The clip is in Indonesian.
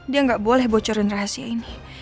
dia nggak boleh bocorin rahasia ini